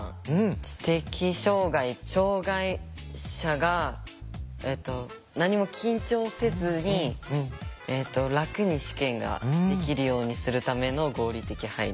知的障害障害者がえっと何も緊張せずに楽に試験ができるようにするための合理的配慮。